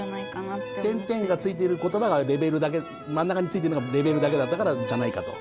「゛」がついていることばがまん中についてるのが「レベル」だけだったからじゃないかと。